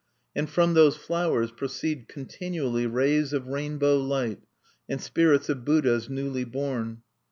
And from those flowers proceed continually rays of rainbow light, and spirits of Buddhas newly born.